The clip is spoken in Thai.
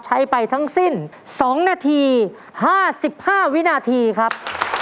ใช้ไปทั้งสิ้น๒นาที๕๕วินาทีครับ